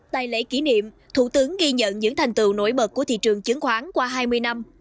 tại lễ kỷ niệm thủ tướng ghi nhận những thành tựu nổi bật của thị trường chứng khoán qua hai mươi năm